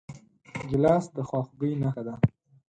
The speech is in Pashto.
ګیلاس د خواخوږۍ نښه ده.